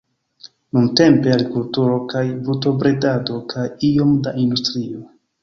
Nuntempe agrikulturo kaj brutobredado kaj iom da industrio.